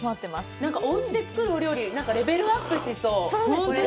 何か、おうちで作るお料理がレベルアップしそう！